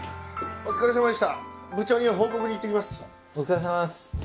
お疲れさまです。